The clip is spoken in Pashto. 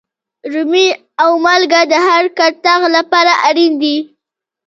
رومي او مالگه د هر کتغ لپاره اړین دي.